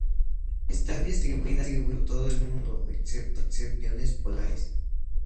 Están distribuidas por todo el mundo, excepto las regiones polares.